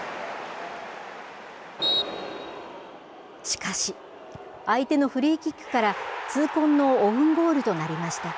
しかし、相手のフリーキックから痛恨のオウンゴールとなりました。